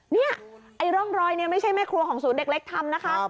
นี่ไอ้ร่องรอยเนี่ยไม่ใช่แม่ครัวของศูนย์เด็กเล็กทำนะคะ